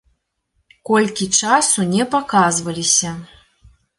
Колькі часу не паказваліся.